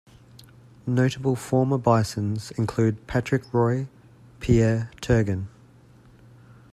Notable former Bisons include Patrick Roy, Pierre Turgeon.